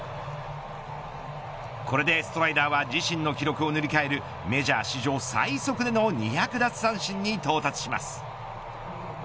これでストライダーは自身の記録を塗り替えるメジャー史上最速での２００奪三振に到達します。